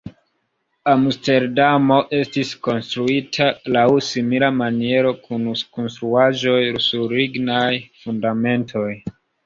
Amsterdamo estis konstruita laŭ simila maniero, kun konstruaĵoj sur lignaj fundamentoj.